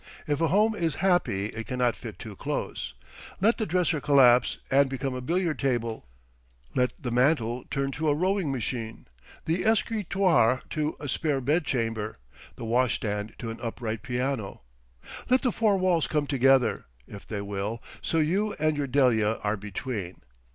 If a home is happy it cannot fit too close—let the dresser collapse and become a billiard table; let the mantel turn to a rowing machine, the escritoire to a spare bedchamber, the washstand to an upright piano; let the four walls come together, if they will, so you and your Delia are between.